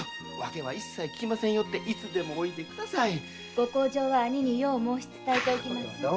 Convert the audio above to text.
ご厚情は兄によう申し伝えておきます。